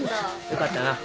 よかったな。